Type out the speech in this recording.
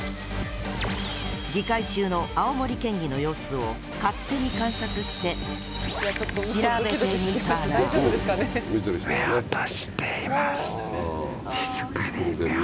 議会中の青森県議の様子を勝手に観察してしらべてみたら。